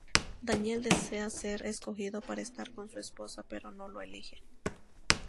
Daniel desea ser escogido para estar con su esposa pero no lo eligen.